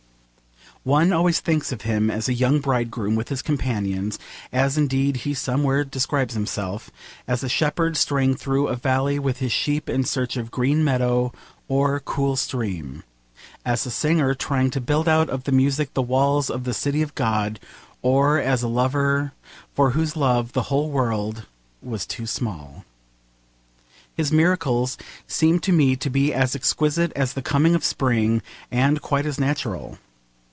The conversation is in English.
One always thinks of him as a young bridegroom with his companions, as indeed he somewhere describes himself; as a shepherd straying through a valley with his sheep in search of green meadow or cool stream; as a singer trying to build out of the music the walls of the City of God; or as a lover for whose love the whole world was too small. His miracles seem to me to be as exquisite as the coming of spring, and quite as natural.